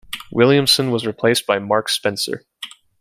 Williamson was replaced by Mark Spincer.